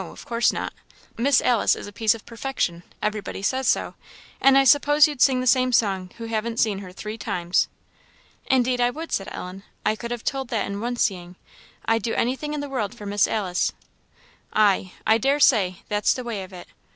of course not! Miss Alice is a piece of perfection; everybody says so; and I suppose you'd sing the same song who haven't seen her three times." "Indeed I would," said Ellen; "I could have told that in one seeing. I'd do anything in the world for Miss Alice." "Ay I daresay that's the way of it.